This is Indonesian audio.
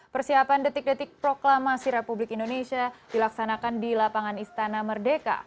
persiapan detik detik proklamasi republik indonesia dilaksanakan di lapangan istana merdeka